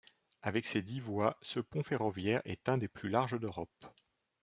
Avec ses dix voies, ce pont ferroviaire est un des plus larges d'Europe.